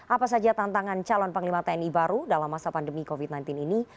apa saja tantangan calon panglima tni baru dalam masa pandemi covid sembilan belas ini